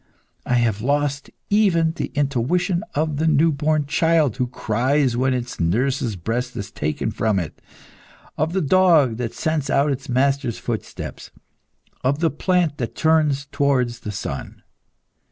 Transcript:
I have lost even the intuition of the new born child, who cries when its nurse's breast is taken from it, of the dog that scents out its master's footsteps, of the plant that turns towards the sun.